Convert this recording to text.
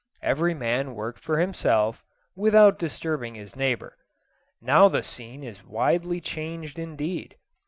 Every man worked for himself, without disturbing his neighbour. Now the scene is widely changed indeed.